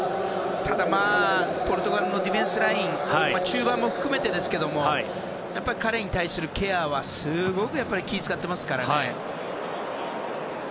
ただ、ポルトガルのディフェンスライン中盤も含めて、彼に対するケアはすごく気を使っていますから。